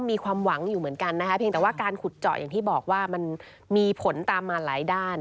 มีความหวังอยู่เหมือนกันนะคะเพียงแต่ว่าการขุดเจาะอย่างที่บอกว่ามันมีผลตามมาหลายด้าน